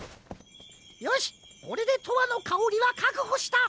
よしこれで「とわのかおり」はかくほした。